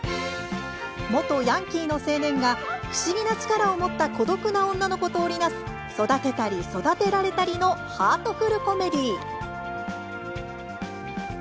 元ヤンキーの青年が不思議な力を持った孤独な女の子と織り成す育てたり、育てられたりのハートフルコメディー。